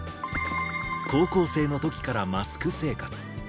高校生のときからマスク生活。